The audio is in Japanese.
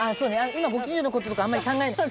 今ご近所の事とかあんまり考えない。